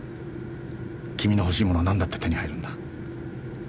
君の欲しいものはなんだって手に入るんだ。